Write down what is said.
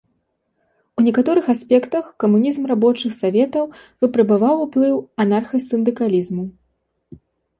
У некаторых аспектах камунізм рабочых саветаў выпрабаваў ўплыў анарха-сындыкалізму.